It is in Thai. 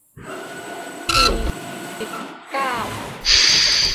สี่สิบเก้า